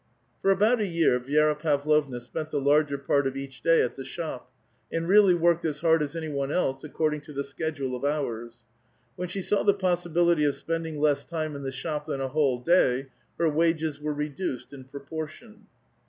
For about a year ^Vi^rsL Pavlovna spent the larger part of each day at the sbiop, and really worked as hard as any one else, according the schedule of hours. When she saw the possibility of pending less time in the shop than a whole day, her wages vere reduced in proportion.